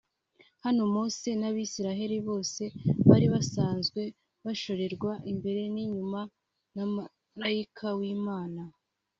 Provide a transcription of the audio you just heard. Hano Mose n'abisirayeli bose bari basanzwe bashorerwa imbere n'inyuma na malayika w'Imana